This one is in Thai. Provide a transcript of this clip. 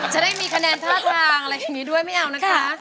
จะได้มีคะแนนท่าทางอะไรอย่างนี้ด้วยไม่เอานะคะ